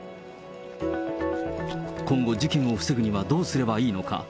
今後、事件を防ぐにはどうすればいいのか。